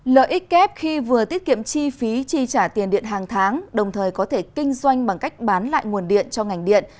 lợi ích kép khi vừa tiết kiệm chi phí chi trả tiền điện hàng tháng đồng thời có thể kinh doanh bằng cách bán lại nguồn điện cho ngành điện